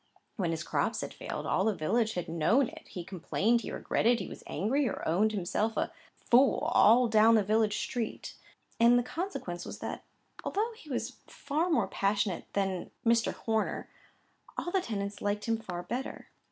When his crops had failed, all the village had known it. He complained, he regretted, he was angry, or owned himself a —— fool, all down the village street; and the consequence was that, although he was a far more passionate man than Mr. Horner, all the tenants liked him far better.